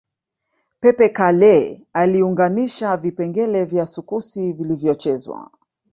Pepe Kalle aliunganisha vipengele vya sukusi vilivyochezwa